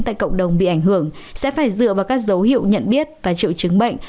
tại cộng đồng bị ảnh hưởng sẽ phải dựa vào các dấu hiệu nhận biết và triệu chứng bệnh